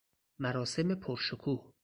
مراسم پر شکوه